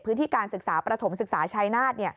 พื้นที่การศึกษาประถมศึกษาชายนาฏ